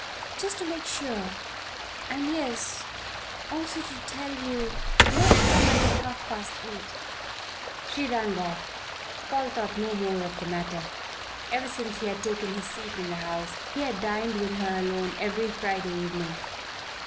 "Just to make sure. And yes also to tell you not to come till half past eight." She rang off. Paul thought no more of the matter. Ever since he had taken his seat in the House he had dined with her alone every Friday evening.